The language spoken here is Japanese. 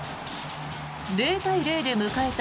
０対０で迎えた